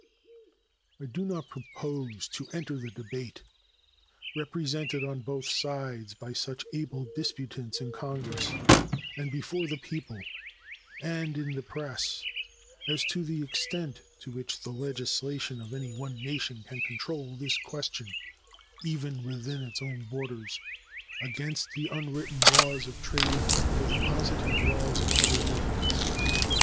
I do not propose to enter the debate, represented on both sides by such able disputants in Congress and before the people and in the press, as to the extent to which the legislation of any one nation can control this question, even within its own borders, against the unwritten laws of trade or the positive laws of other governments.